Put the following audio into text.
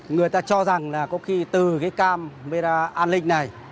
người ta cho rằng là có khi từ cái camera an ninh này